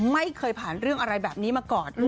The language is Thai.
ไม่เคยผ่านเรื่องอะไรแบบนี้มาก่อน